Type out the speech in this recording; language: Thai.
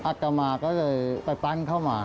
อัตมาก็เลยไปปั้นเข้ามา